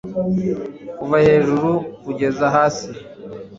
kuva hejuru kugeza hasi